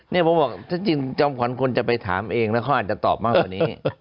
นี่ผมบอกถ้าจริงจอมขวัญควรจะไปถามเองแล้วเขาอาจจะตอบมากกว่านี้